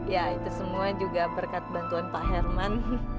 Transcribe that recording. ya itu semua juga berkat bantuan pak herman